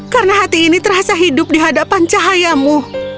karena hati ini terasa hidup di hadapan cahayamu